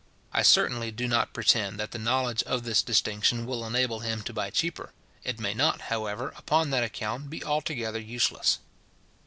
I certainly do not pretend that the knowledge of this distinction will enable him to buy cheaper. It may not, however, upon that account be altogether useless.